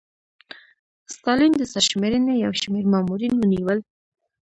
ستالین د سرشمېرنې یو شمېر مامورین ونیول